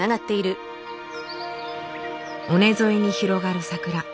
尾根沿いに広がる桜。